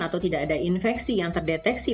atau tidak ada infeksi yang terdeteksi